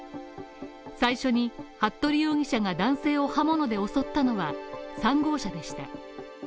最初に服部容疑者が男性を刃物で襲ったのは３号車でした。